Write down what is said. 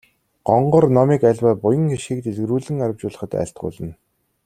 Гонгор номыг аливаа буян хишгийг дэлгэрүүлэн арвижуулахад айлтгуулна.